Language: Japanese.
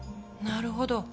なるほど。